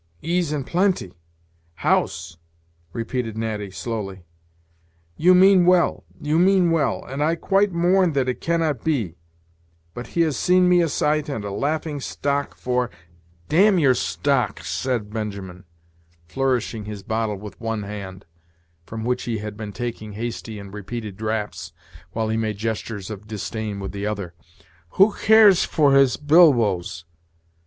"Ease and plenty! house!" repeated Natty, slowly. "You mean well, you mean well, and I quite mourn that it cannot be; but he has seen me a sight and a laughing stock for " "Damn your stocks," said Benjamin, flourishing his bottle with one hand, from which he had been taking hasty and repeated draughts, while he made gestures of disdain with the other: "who cares for his bilboes?